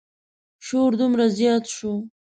شور دومره زیات شو.